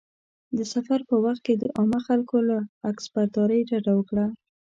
د سفر په وخت کې د عامو خلکو له عکسبرداري ډډه وکړه.